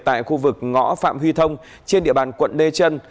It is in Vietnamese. tại khu vực ngõ phạm huy thông trên địa bàn quận lê chân